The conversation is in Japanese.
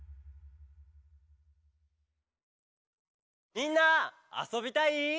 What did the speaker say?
「みんなあそびたい？」